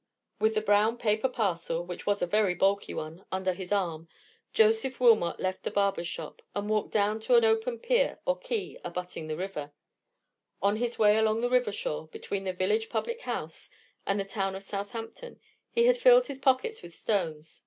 With the brown paper parcel—which was a very bulky one—under his arm, Joseph Wilmot left the tailor's shop, and walked down to an open pier or quay abutting on the water. On his way along the river shore, between the village public house and the town of Southampton, he had filled his pockets with stones.